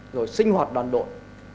rồi sinh hoạt đoàn đội